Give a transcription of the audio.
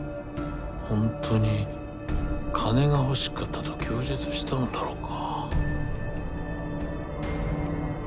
本当に金が欲しかったと供述したのだろうか？